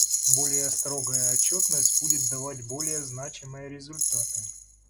Более строгая отчетность будет давать более значимые результаты.